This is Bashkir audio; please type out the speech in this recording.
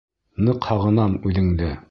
Ныҡ һағынам үҙеңде.